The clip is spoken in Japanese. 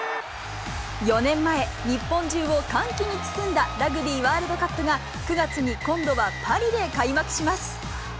４年前、日本中を歓喜に包んだラグビーワールドカップが、９月に今度はパリで開幕します。